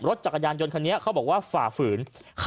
จักรยานยนต์คันนี้เขาบอกว่าฝ่าฝืน